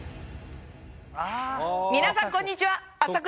皆さんこんにちは。